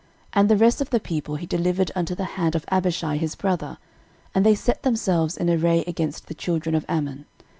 13:019:011 And the rest of the people he delivered unto the hand of Abishai his brother, and they set themselves in array against the children of Ammon.